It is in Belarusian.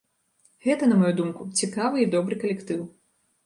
Гэта, на маю думку, цікавы і добры калектыў.